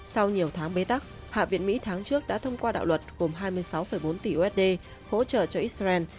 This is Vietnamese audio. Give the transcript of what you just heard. sau nhiều tháng bế tắc hạ viện mỹ tháng trước đã thông qua đạo luật gồm hai mươi sáu bốn tỷ usd hỗ trợ cho israel